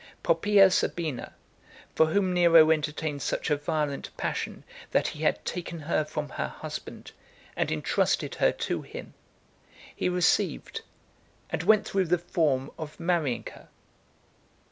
Poppaea Sabina, for whom Nero entertained such a violent passion that he had taken her from her husband and entrusted her to him, he received, and went through the form of marrying her.